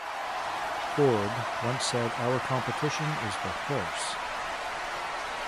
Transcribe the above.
Ford once said Our competition is the horse.